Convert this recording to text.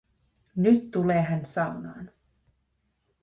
Nyt tulee hän saunaan.